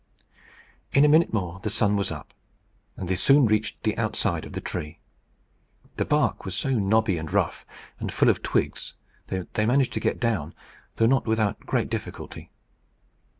In a minute more the sun was up, and they soon reached the outside of the tree. The bark was so knobby and rough, and full of twigs, that they managed to get down, though not without great difficulty.